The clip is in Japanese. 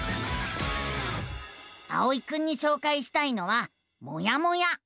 あおいくんにしょうかいしたいのは「もやモ屋」。